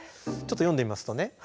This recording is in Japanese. ちょっと読んでみますとね